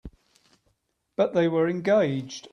But they were engaged.